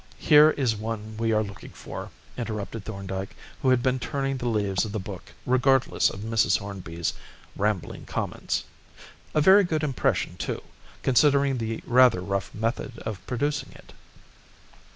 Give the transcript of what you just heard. Here is one we are looking for," interrupted Thorndyke, who had been turning the leaves of the book regardless of Mrs. Hornby's rambling comments; "a very good impression, too, considering the rather rough method of producing it."